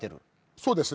そうですね。